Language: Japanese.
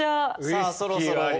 さあそろそろ。